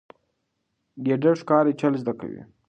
ګیدړ د ښکار چل زده کوي.